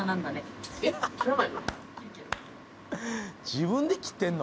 自分で切ってんの？